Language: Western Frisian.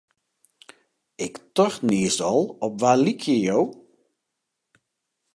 Ik tocht niis al, op wa lykje jo?